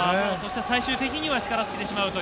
最終的には力尽きてしまうと